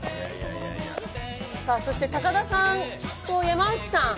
さあそして高田さんと山内さん。